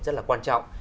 rất là quan trọng